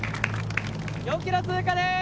４ｋｍ通過です。